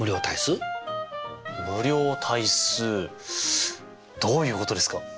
無量大数どういうことですか？